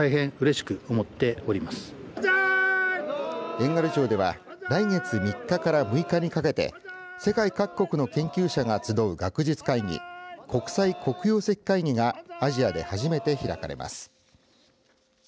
遠軽町では来月３日から６日にかけて世界各国の研究者が集う学術会議、国際黒曜石会議がアジアで初めて開かれます。